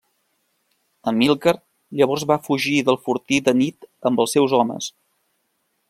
Amílcar llavors va fugir del fortí de nit amb els seus homes.